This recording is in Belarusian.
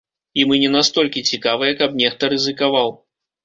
І мы не настолькі цікавыя, каб нехта рызыкаваў.